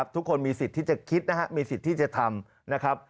ทุกคนมีสิทธิ์ที่จะคิดมีสิทธิ์ที่จะทำ